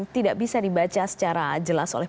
tidak bisa dibaca secara jelas oleh